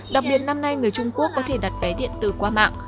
đặc biệt năm nay người trung quốc có thể đặt vé điện tử qua mạng